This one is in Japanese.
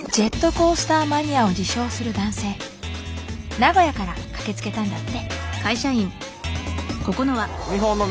名古屋から駆けつけたんだって。